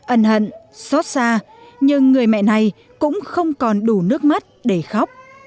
ân hận xót xa nhưng người mẹ này cũng không còn đủ nước mắt để khóc